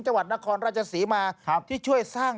จนรสีมาครับที่ช่วยสร้าง